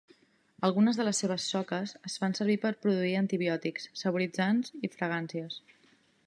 Algunes de les seves soques es fan servir per produir antibiòtics, saboritzants i fragàncies.